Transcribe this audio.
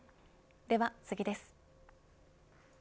では次です。